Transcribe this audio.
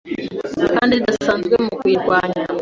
kandi zidasanzwe mu kuyirwanya